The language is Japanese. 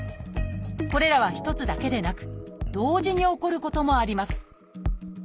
これらは一つだけでなく同時に起こることもあります